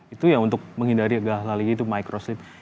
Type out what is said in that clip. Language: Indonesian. itu ya untuk menghindari agak hal hal lainnya itu micro sleep